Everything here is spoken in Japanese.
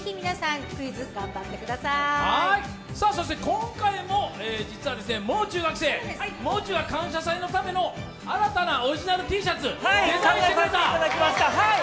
今回も実はもう中学生が「感謝祭」のための新たなオリジナルＴシャツデザインしてくれた？